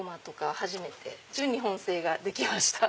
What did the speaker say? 初めて純日本製ができました。